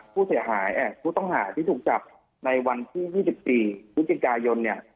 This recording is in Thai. ผู้เสียหายผู้ต้องหาที่ถูกจับในวันที่๒๔วิจัยการยนต์เนี้ย